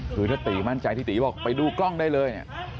คือถ้าปีมันใจที่ปีบอกไปดูกล้องได้ไง